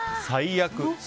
最悪。